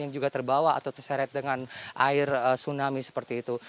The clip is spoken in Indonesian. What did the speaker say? yang juga terbawa atau terseret dengan air tsunami seperti itu